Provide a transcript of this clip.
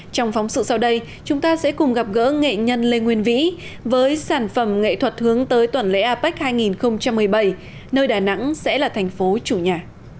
trong phóng sự sau đây chúng ta sẽ cùng gặp gỡ nghệ nhân lê nguyên vĩ với sản phẩm nghệ thuật hướng tới tuần lễ apec hai nghìn một mươi bảy nơi đà nẵng sẽ là thành phố chủ nhà